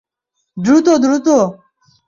দ্রুত, দ্রুত!